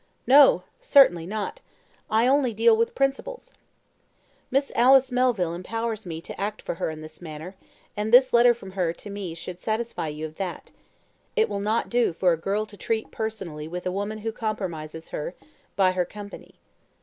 No; certainly not. I only deal with principals." "Miss Alice Melville empowers me to act for her in this matter, and this letter from her to me should satisfy you of that. It will not do for a girl to treat personally with a woman who compromises her by her company."